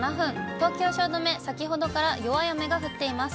東京・汐留、先ほどから弱い雨が降っています。